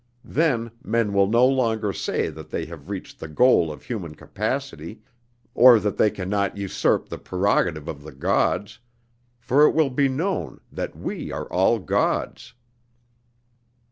Then men will no longer say that they have reached the goal of human capacity or that they can not usurp the prerogative of the gods, for it will be known that we are all gods!"